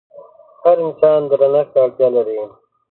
هر انسان درنښت ته اړتيا لري.